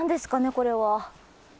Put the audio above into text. これは。